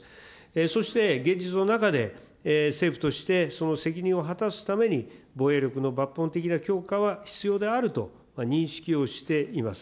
そして、現実の中で、政府としてその責任を果たすために、防衛力の抜本的な強化は必要であると認識をしています。